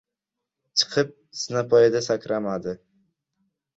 chiqib zinapoyada sakramadi.